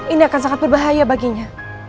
ini akan sangat berbahaya baginya